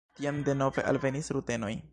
Tiam denove alvenis rutenoj.